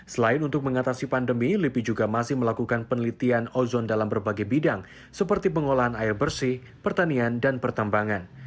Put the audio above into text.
selain untuk mengatasi pandemi lipi juga masih melakukan penelitian ozon dalam berbagai bidang seperti pengolahan air bersih pertanian dan pertambangan